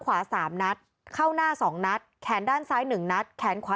ขวา๓นัดเข้าหน้า๒นัดแขนด้านซ้าย๑นัดแขนขวา